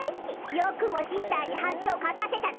よくもシスターにはじをかかせたな！